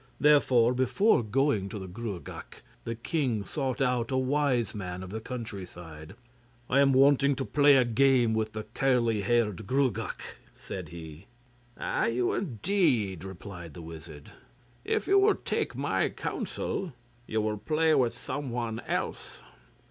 Therefore before going to the Gruagach the king sought out a wise man of the countryside. 'I am wanting to play a game with the curly haired Gruagach,' said he. 'Are you, indeed?' replied the wizard. 'If you will take my counsel, you will play with someone else.